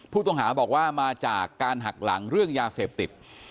ผู้ต้องหาบอกว่ามาจากการหักหลังเรื่องยาเสพติด